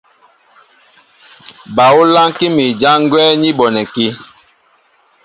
Ba ú lánkí mi ján gwɛ́ ní bonɛkí.